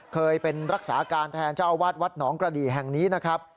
เคยเป็นรักษาการแทนเจ้าอาวาสวัดหนองกระดีแห่งนี้นะครับ